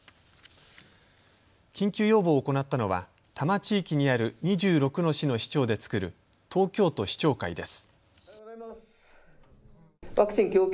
緊急要望を行ったのは多摩地域にある２６の市の市長で作る東京都市長会です。